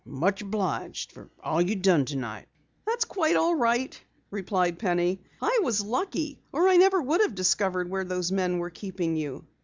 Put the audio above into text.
"Much obliged for all you done tonight." "That's quite all right," replied Penny. "I was lucky or I never would have discovered where those men were keeping you."